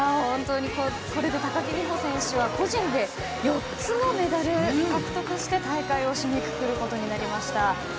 本当に、これで高木美帆選手は個人で４つもメダルを獲得して大会を締めくくることになりました。